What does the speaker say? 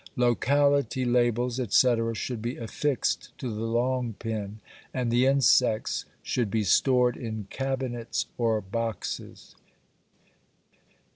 Locality labels, etc., should be affixed to the long pin, and the insects should be stored in cabinets or boxes.